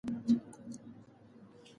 ګټه باید قانوني وي.